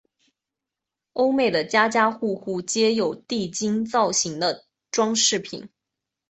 欧美的家家户户皆有地精造型的装饰品。